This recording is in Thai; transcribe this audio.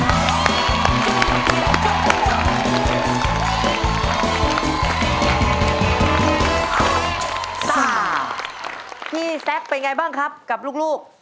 นี่แซ็คเป็นอย่างไรบ้างครับกับลูก